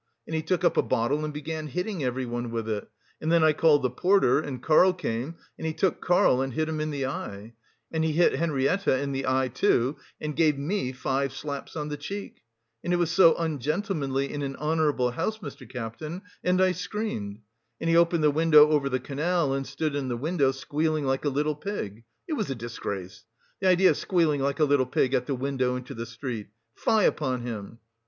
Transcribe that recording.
And he took up a bottle and began hitting everyone with it. And then I called the porter, and Karl came, and he took Karl and hit him in the eye; and he hit Henriette in the eye, too, and gave me five slaps on the cheek. And it was so ungentlemanly in an honourable house, Mr. Captain, and I screamed. And he opened the window over the canal, and stood in the window, squealing like a little pig; it was a disgrace. The idea of squealing like a little pig at the window into the street! Fie upon him!